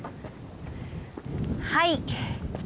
はい。